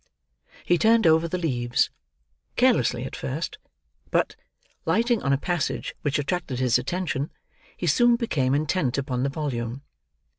He turned over the leaves. Carelessly at first; but, lighting on a passage which attracted his attention, he soon became intent upon the volume.